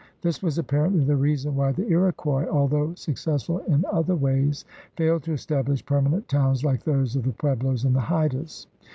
This was apparently the reason why the Iroquois, although successful in other ways, failed to establish permanent towns like those of the Pueblos and the Haidas.